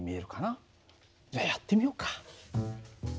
じゃあやってみようか。